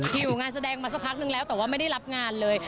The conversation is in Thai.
อยู่งานแสดงมาสักพักนึงแล้วแต่ว่าไม่ได้รับงานเลย